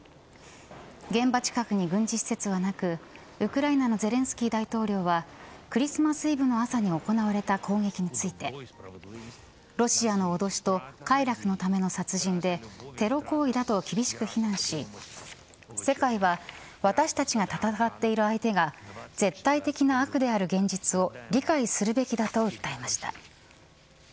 現場近くに軍事施設がなくウクライナのゼレンスキー大統領はクリスマスイブの朝に行われた攻撃についてロシアの脅しと快楽のための殺人でテロ行為だと厳しく非難し世界は私たちが戦っている相手が絶対的な悪である現実を理解するべきだと訴えました。